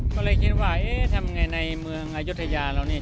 ก็เลยคิดว่าเอ๊ะทำไงในเมืองอายุทยาเรานี่